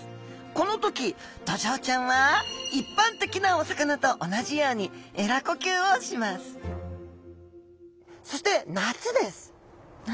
この時ドジョウちゃんは一般的なお魚と同じようにエラ呼吸をします夏。